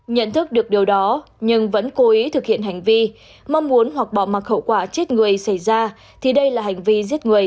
nhận thức được điều đó nhưng vẫn cố ý thực hiện hành vi mong muốn hoặc bỏ mặc khẩu quả chết người xảy ra thì đây là hành vi giết người